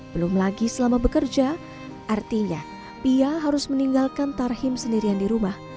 belum lagi selama bekerja artinya pia harus meninggalkan tarhim sendirian di rumah